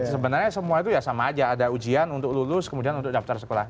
sebenarnya semua itu ya sama aja ada ujian untuk lulus kemudian untuk daftar sekolah